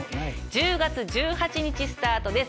１０月１８日スタートです